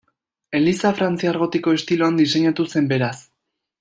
Eliza frantziar gotiko estiloan diseinatu zen beraz.